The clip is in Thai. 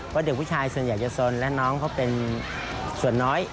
เพราะเด็กผู้ชายส่วนใหญ่จะสนและน้องเขาเป็นส่วนน้อย